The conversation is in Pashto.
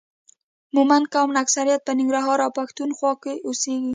مومند قوم اکثریت په ننګرهار او پښتون خوا کې اوسي